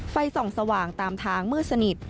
ไฟส่องสว่างตามทางมืดสนิท